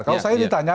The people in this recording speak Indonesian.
kalau saya ditanya